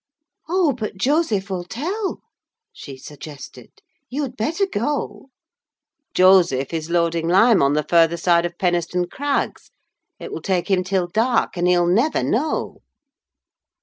"Oh, but Joseph will tell," she suggested; "you'd better go!" "Joseph is loading lime on the further side of Penistone Crags; it will take him till dark, and he'll never know."